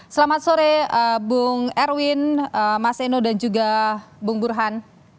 selamat sore bung erwin mas eno dan juga bung burhan